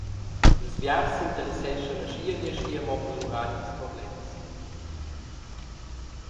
Ils biars s’interesseschan aschia ni aschia mo per lur agens problems.